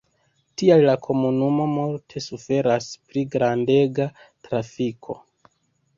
Tial la komunumo multe suferas pri grandega trafiko.